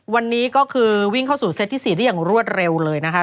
วันนี้ก็คือวิ่งเข้าสู่เซตที่๔ได้อย่างรวดเร็วเลยนะคะ